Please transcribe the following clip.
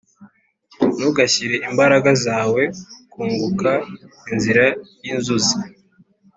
ntugashyire imbaraga zawe 'kunguka inzira yinzuzi